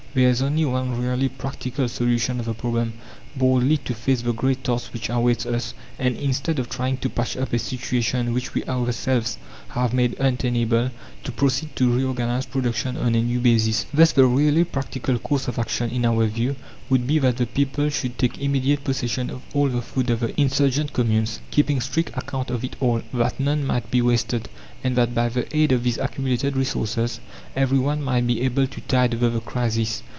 There is only one really practical solution of the problem boldly to face the great task which awaits us, and instead of trying to patch up a situation which we ourselves have made untenable, to proceed to reorganize production on a new basis. Thus the really practical course of action, in our view, would be that the people should take immediate possession of all the food of the insurgent communes, keeping strict account of it all, that none might be wasted, and that by the aid of these accumulated resources every one might be able to tide over the crisis.